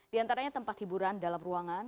di antaranya tempat hiburan dalam ruangan